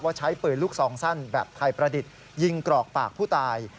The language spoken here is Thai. ใช้ปืนลูกซองสั้นแบบไทยประดิษฐ์ยิงกรอกปากผู้ตาย